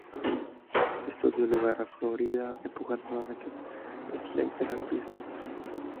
Esto dio lugar a Flo Rida empujando nuevamente a Slater al piso.